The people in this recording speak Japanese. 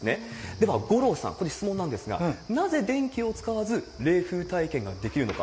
では、五郎さん、ここで質問なんですが、なぜ電気を使わず冷風体験ができるのか。